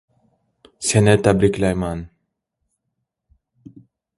Seni tabriklayman.